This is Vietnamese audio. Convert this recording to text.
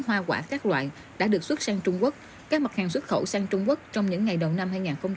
hoa quả các loại đã được xuất sang trung quốc các mặt hàng xuất khẩu sang trung quốc trong những ngày đầu năm